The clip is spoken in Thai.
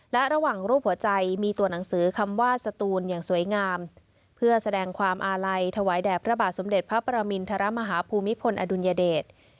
และระหว่างรูปหัวใจมีตัวหนังสือคำว่าสตูนอย่างสวยงามเพื่อแสดงความอาลัยถวายแด่พระบาทสมเด็จพระประมินทรมาฮภูมิพลอดุลยเดช